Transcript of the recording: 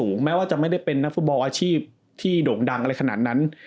แม้ว่าจะไม่ได้เป็นนักฟุตบอลอาชีพที่โด่งดังอะไรขนาดนั้น